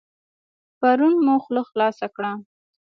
پرون مو خوله خلاصه کړه.